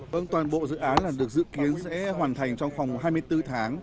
vâng toàn bộ dự án là được dự kiến sẽ hoàn thành trong vòng hai mươi bốn tháng